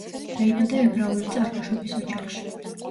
დაიბადა ებრაული წარმოშობის ოჯახში.